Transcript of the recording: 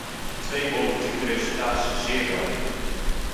Twee politieke resultaten zijn zeer welkom.